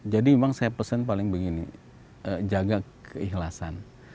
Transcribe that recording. jadi memang saya pesan paling begini jaga keikhlasan